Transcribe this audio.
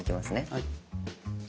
はい。